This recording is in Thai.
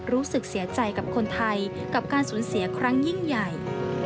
รู้สึกเสียใจกับคนไทยกับการสูญเสียครั้งยิ่งใหญ่